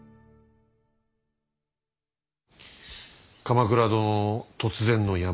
鎌倉殿の突然の病。